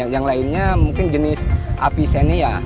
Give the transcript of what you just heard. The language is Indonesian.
yang lainnya mungkin jenis apisenia